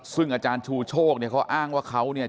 ซึ่งอาจารย์ชูโชคเนี่ยเขาอ้างว่าเขาเนี่ย